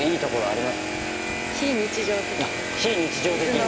非日常的。